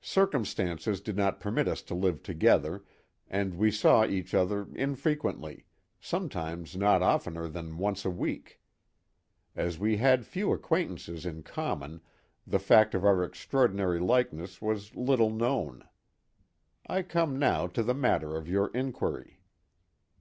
Circumstances did not permit us to live together, and we saw each other infrequently, sometimes not oftener than once a week. As we had few acquaintances in common, the fact of our extraordinary likeness was little known. I come now to the matter of your inquiry.